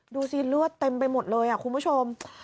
ดูสิเลือดเต็มไปหมดเลยคุณผู้ชม